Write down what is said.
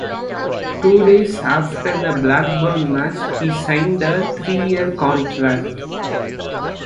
Two days after the Blackburn match, he signed a three-year contract.